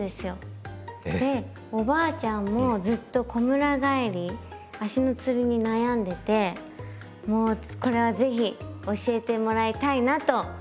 えっ⁉でおばあちゃんもずっとこむら返り足のつりに悩んでてもうこれは是非教えてもらいたいなと思っておりました。